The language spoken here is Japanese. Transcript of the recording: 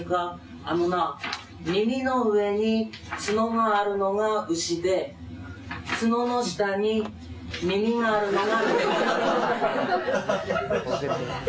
「“あのな耳の上に角があるのが牛で角の下に耳があるのがべこだぞ”」